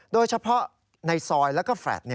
โดยเฉพาะในซอยแล้วก็แฟลต์